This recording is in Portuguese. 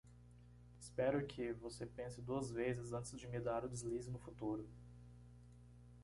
Espero que? você pense duas vezes antes de me dar o deslize no futuro.